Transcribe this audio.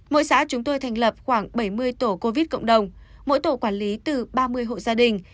mỗi xã chúng tôi thành lập khoảng bảy mươi tổ covid cộng đồng mỗi tổ quản lý từ ba mươi hộ gia đình